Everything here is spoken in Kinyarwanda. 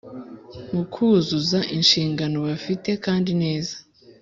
Mu kuzuza inshingano bafite kandi neza